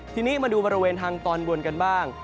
ทีนี้มาดูบริเวณทางตอนบนกันบ้าง